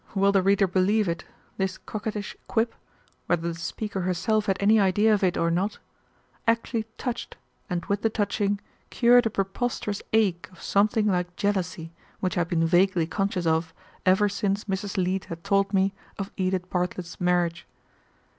Will the reader believe it, this coquettish quip, whether the speaker herself had any idea of it or not, actually touched and with the touching cured a preposterous ache of something like jealousy which I had been vaguely conscious of ever since Mrs. Leete had told me of Edith Bartlett's marriage.